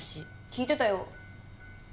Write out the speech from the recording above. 聞いてたよ。